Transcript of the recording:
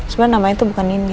sebenernya namanya itu bukan nindi